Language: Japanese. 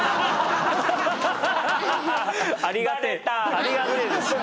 ありがてえです。